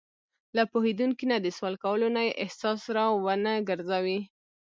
له پوهېدونکي نه د سوال کولو نه یې احساس را ونهګرځوي.